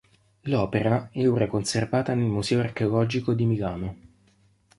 L'opera è ora conservata nel museo archeologico di Milano.